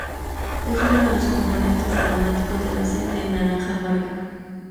Es uno de los componentes aromáticos del aceite de naranja amarga.